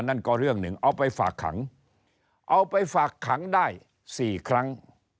นั่นก็เรื่องหนึ่งเอาไปฝากขังเอาไปฝากขังได้๔ครั้ง